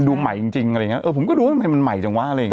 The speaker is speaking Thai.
มันดูใหม่จริงจริงอะไรอย่างนี้เออผมก็รู้ว่ามันใหม่จังว่าอะไรอย่างนี้